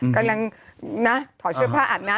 กำลังนะถอดเสื้อผ้าอาบน้ำ